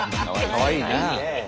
かわいいな！